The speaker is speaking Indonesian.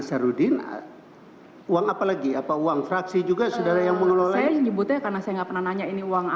saya lihat juga yang bahas bahas ini kok